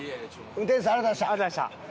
運転手さんありがとうございました。